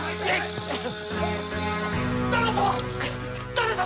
旦那様